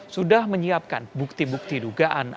sudah menyiapkan bukti bukti dugaan